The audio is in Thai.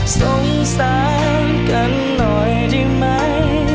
สงสารกันหน่อยดีไหม